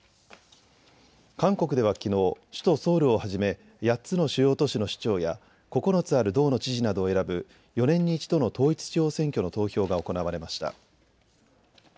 韓国ではきのう、首都ソウルをはじめ８つの主要都市の市長や９つある道の知事などを選ぶ４年に１度の統一地方選挙の投票が行われました。